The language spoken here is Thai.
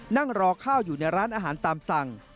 นั่งรอข้าวอยู่ในร้านอาหารตามสั่ง